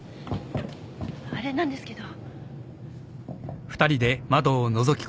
あれなんですけど。